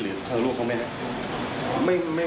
หรือทางลูกเขาไม่ได้